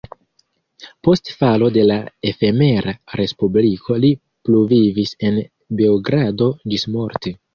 Post falo de la efemera respubliko li pluvivis en Beogrado ĝismorte.